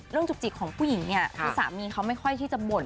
จุกจิกของผู้หญิงเนี่ยคือสามีเขาไม่ค่อยที่จะบ่น